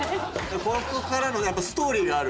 ここからのやっぱりストーリーがある。